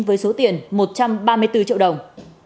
với số tiền một trăm ba mươi bốn triệu đồng